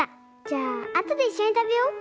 じゃああとでいっしょにたべよう。